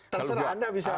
terserah anda bisa